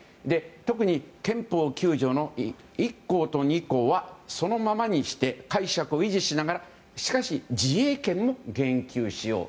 特に憲法９条の１項と２項はそのままにして解釈を維持しながらしかし自衛権も言及しよう。